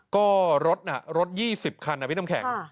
ก็รถอ่ะรถยี่สิบคันอ่ะพี่น้ำแขกค่ะ